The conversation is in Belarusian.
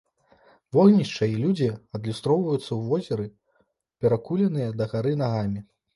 Вогнішча і людзі адлюстроўваюцца ў возеры перакуленыя дагары нагамі.